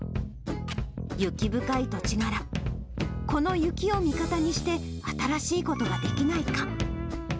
雪深い土地柄、この雪を味方にして、新しいことができないか。